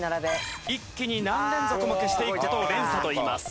一気に何連続も消していく事を連鎖といいます。